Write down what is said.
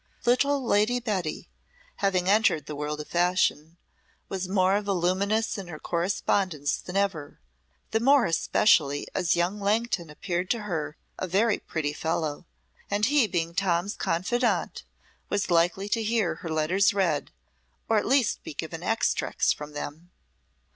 Little Lady Betty, having entered the world of fashion, was more voluminous in her correspondence than ever, the more especially as young Langton appeared to her a very pretty fellow, and he being Tom's confidant, was likely to hear her letters read, or at least be given extracts from them.